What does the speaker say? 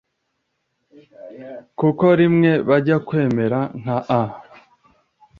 kuko rimwe bajya kumera nka A